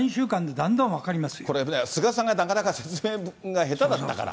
これね、菅さんがなかなか説明が下手だったから。